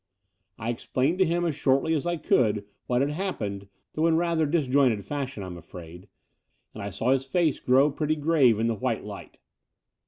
I explained to him as shortly as I could what had happened, though in rather disjointed fashion, I'm afraid; and I saw his face grow pretty grave in the white light.